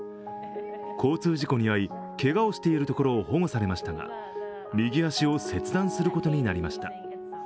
交通事故に遭いけがをしているところを保護されましたが右足を切断することになりました。